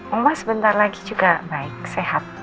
emak sebentar lagi juga baik sehat